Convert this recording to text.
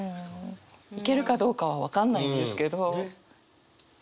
行けるかどうかは分かんないんですけど聞いてる感じ。